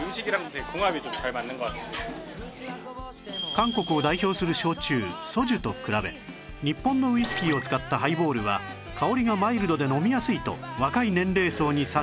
韓国を代表する焼酎ソジュと比べ日本のウイスキーを使ったハイボールは香りがマイルドで飲みやすいと若い年齢層に刺さり